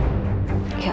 aku akan menemukanmu